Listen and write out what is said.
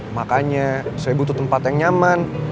makanya saya butuh tempat yang nyaman